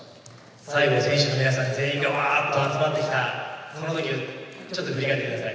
最後、選手の皆さんが全員がわーっと集まってきた、そのとき、ちょっと振り返ってください。